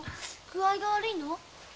具合が悪いの？